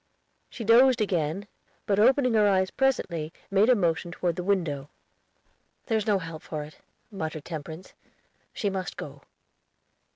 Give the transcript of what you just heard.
She dozed again, but, opening her eyes presently, made a motion toward the window. "There's no help for it," muttered Temperance, "she must go."